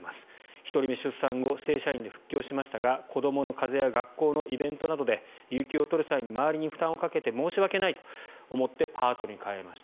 １人目出産後正社員で復帰しましたが子どもの風邪や学校のイベントなどで有休を取る際に周りに負担をかけて申し訳ないと思ってパートに変えました。